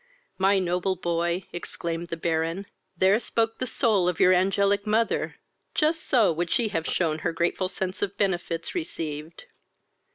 "My noble boy, (exclaimed the Baron,) there spoke the soul of your angelic mother! Just so would she have shewn her grateful sense of benefits received.